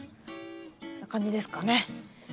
こんな感じですかね？